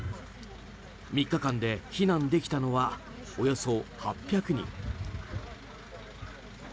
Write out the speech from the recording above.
３日間で避難できたのはおよそ８００人。